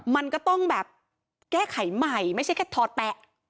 มันก็ต้องแบบแก้ไขใหม่ไม่ใช่แค่ถอดแตะ